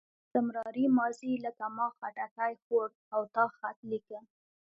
استمراري ماضي لکه ما خټکی خوړ او تا خط لیکه.